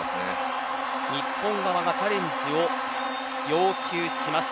日本側がチャレンジを要求します。